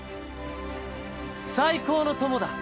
最高の友だ！